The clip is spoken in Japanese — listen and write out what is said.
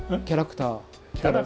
キャラクター。